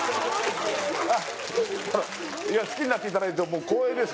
いや好きになっていただいてもう光栄です